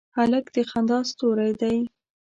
هلک د خندا ستوری دی.